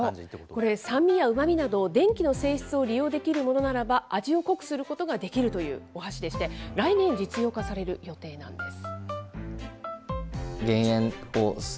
これ、酸味やうまみなど、電気の性質を利用できるものならば、味を濃くすることができるというお箸でして、来年、実用化される予定なんです。